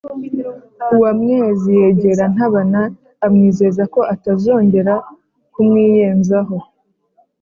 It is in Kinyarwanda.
uwamwezi yegera ntabana amwizeza ko atazongera kumwiyenzaho